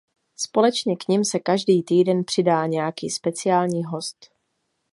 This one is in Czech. Společně k nim se každý týden přidá nějaký speciální host.